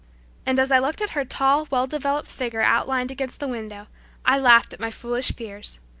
And as I looked at her tall well developed figure outlined against the window, I laughed at my foolish fears.